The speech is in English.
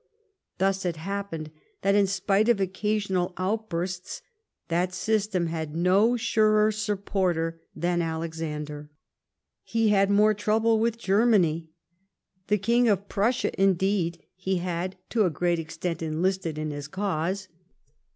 Thus it happened, that in spite of occasional outbursts, that system had no surer supporter than Alexander, lie had more trouble^ with Germany. The King of Prussia, indeed, he had to a great extent enlisted in his cause.